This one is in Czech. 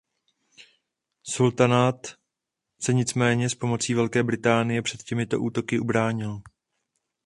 Sultanát se nicméně s pomocí Velké Británie před těmito útoky ubránil.